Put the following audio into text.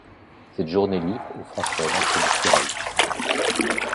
Cette journée livre aux Français l'entrée du Tyrol.